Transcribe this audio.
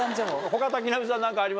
他瀧波さん何かあります？